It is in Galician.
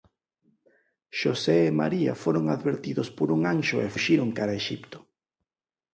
Xosé e María foron advertidos por un anxo e fuxiron cara Exipto.